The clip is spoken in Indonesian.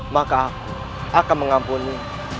maka aku akan mengampuni